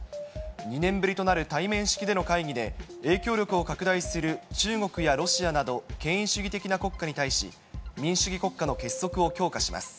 ２年ぶりとなる対面式での会議で、影響力を拡大する中国やロシアなど、権威主義的な国家に対し、民主主義国家の結束を強化します。